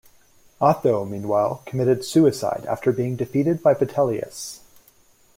Otho meanwhile committed suicide after being defeated by Vitellius.